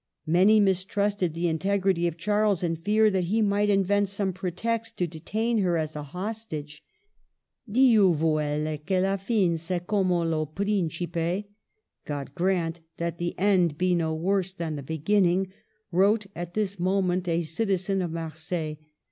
Many mistrusted the in tegrity of Charles, and feared that he might invent some pretext to detain her as a hostage. Dieu viielle que la fin see como lo principe ('' God grant that the end be no worse than the begin ning"), wrote at this moment a citizen of Mar seilles.